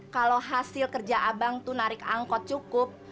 kalau hasil kerja abang itu narik angkot cukup